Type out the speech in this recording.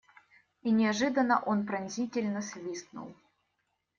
И неожиданно он пронзительно свистнул.